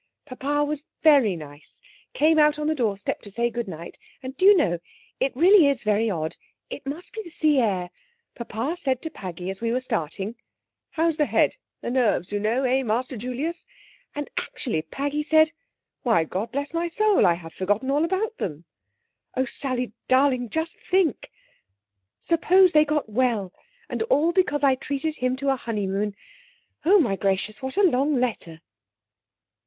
"Papa was very nice came out on the doorstep to say good night, and, do you know it really is very odd; it must be the sea air papa said to Paggy as we were starting: 'How's the head the nerves, you know eh, Master Julius?' And actually Paggy said: 'Why, God bless my soul, I had forgotten all about them!' Oh, Sally darling, just think! Suppose they got well, and all because I treated him to a honeymoon! Oh, my gracious, what a long letter!"